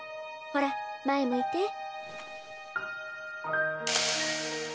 ほら前向いて。